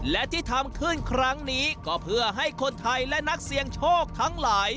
และที่ทำขึ้นครั้งนี้ก็เพื่อให้คนไทยและนักเสี่ยงโชคทั้งหลาย